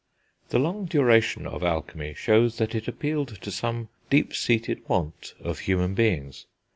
The long duration of alchemy shows that it appealed to some deep seated want of human beings.